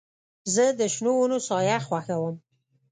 زه د شنو ونو سایه خوښوم.